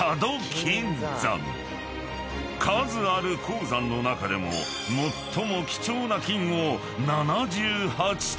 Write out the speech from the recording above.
［数ある鉱山の中でも最も貴重な金を７８ｔ］